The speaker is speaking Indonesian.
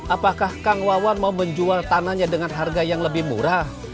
apakah kang wawan mau menjual tanahnya dengan harga yang lebih murah